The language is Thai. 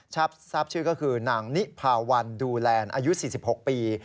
ทราบชื่อก็คือนางนิพาวันดูแลอายุ๔๖ปี